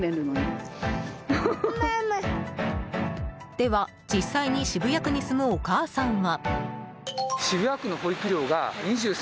では、実際に渋谷区に住むお母さんは。